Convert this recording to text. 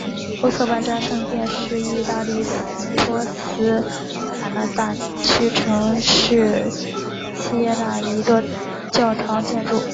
欧瑟万扎圣殿是义大利托斯卡纳大区城市锡耶纳的一座教堂建筑。